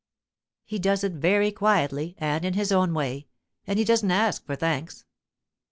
He does it very quietly and in his own way, and he doesn't ask for thanks.